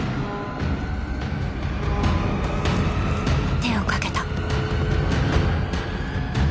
［手を掛けた］